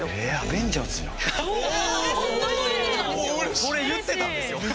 俺言ってたんですよ。